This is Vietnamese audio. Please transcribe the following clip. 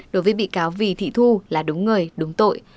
đối với bị cáo vì thị thu là đúng người đúng tội